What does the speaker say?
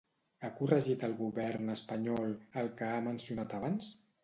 Ha corregit el govern espanyol el que ha mencionat abans?